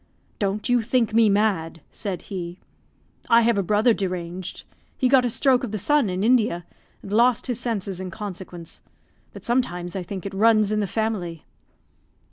"Don't you think me mad!" said he. "I have a brother deranged; he got a stroke of the sun in India, and lost his senses in consequence; but sometimes I think it runs in the family."